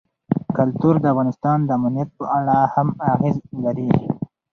کلتور د افغانستان د امنیت په اړه هم اغېز لري.